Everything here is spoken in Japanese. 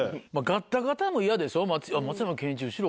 ガッタガタも嫌でしょ。